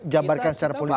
jabarkan secara politik